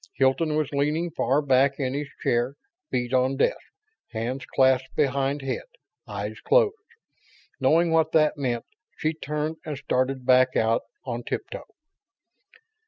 Hilton was leaning far back in his chair, feet on desk, hands clasped behind head, eyes closed. Knowing what that meant, she turned and started back out on tiptoe.